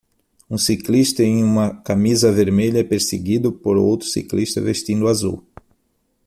Um ciclista em uma camisa vermelha é perseguido por outro ciclista vestindo azul.